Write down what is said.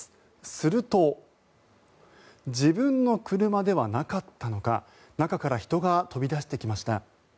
すると自分の車ではなかったのか中から人が飛び出してきました。